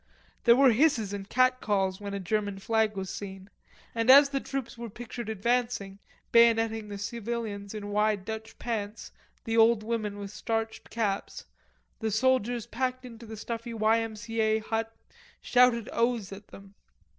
There were hisses and catcalls when a German flag was seen, and as the troops were pictured advancing, bayonetting the civilians in wide Dutch pants, the old women with starched caps, the soldiers packed into the stuffy Y. M. C. A. hut shouted oaths at them.